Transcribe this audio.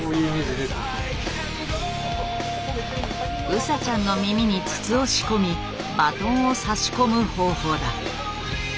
ウサちゃんの耳に筒を仕込みバトンを差し込む方法だ。